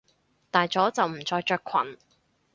大咗就唔再着裙！